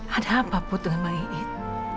ada apa apa dengan bang iit